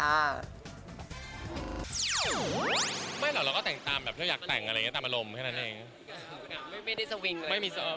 ไม่เหรอเราก็แต่งตามแบบอยากแต่งอะไรอย่างนี้ตามอารมณ์แค่นั้นเอง